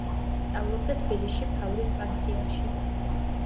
სწავლობდა თბილისში ფავრის პანსიონში.